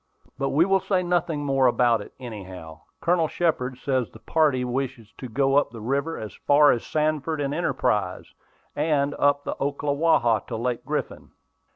But we will say nothing more about it, anyhow. Colonel Shepard says the party wish to go up the river as far as Sanford and Enterprise, and up the Ocklawaha to Lake Griffin."